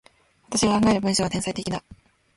私が考える文章は、天才的だ。